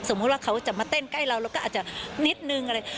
ว่าเขาจะมาเต้นใกล้เราเราก็อาจจะนิดนึงอะไร